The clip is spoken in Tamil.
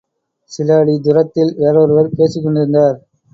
சில அடி துரத்தில் வேறொருவர் பேசிக்கொண்டிருந்தார்.